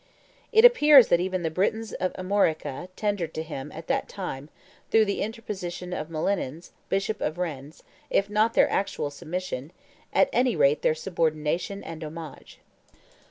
It appears that even the Britons of Armorica tendered to him at that time, through the interposition of Melanins, bishop of Rennes, if not their actual submission, at any rate their subordination and homage.